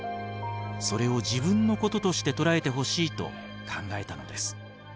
それを自分のこととして捉えてほしいと考えたのです。